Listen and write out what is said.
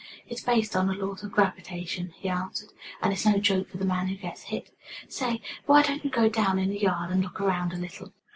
"It's based on the laws of gravitation," he answered, "and it's no joke for the man who gets hit. Say, why don't you go down in the yard and look around a little?"